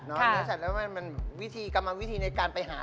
มินาศาสตร์แล้วมันกำลังวิธีในการไปหามา